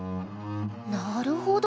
なるほど。